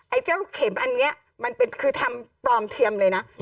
ไอ้เจ้าเข็มอันนี้มันเป็นคือทำปลอมเทียมเลยนะ